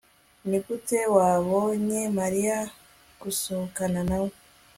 Nigute wabonye Mariya gusohokana nawe